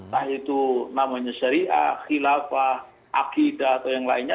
entah itu namanya syariah khilafah akidah atau yang lainnya